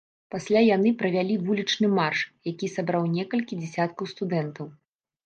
Пасля яны правялі вулічны марш, які сабраў некалькі дзясяткаў студэнтаў.